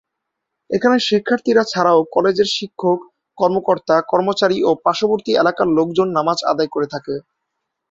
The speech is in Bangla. এখানে শিক্ষার্থীরা ছাড়াও কলেজের শিক্ষক, কর্মকর্তা, কর্মচারী ও পার্শ্ববর্তী এলাকার লোকজন নামাজ আদায় করে থাকে।